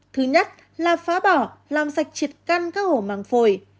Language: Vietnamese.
thứ nhất là phá bỏ làm sạch triệt căn các hổ màng phổi